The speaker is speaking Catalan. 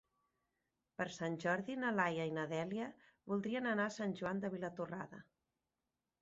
Per Sant Jordi na Laia i na Dèlia voldrien anar a Sant Joan de Vilatorrada.